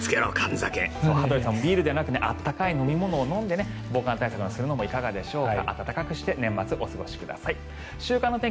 羽鳥さんもビールではなく温かい飲み物を飲んで防寒対策をするのはどうでしょうか。